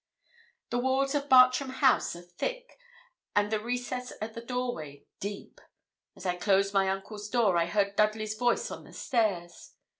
The walls of Bartram House are thick, and the recess at the doorway deep. As I closed my uncle's door, I heard Dudley's voice on the stairs.